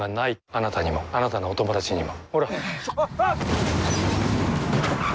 あなたにも、あなたのお友達にも。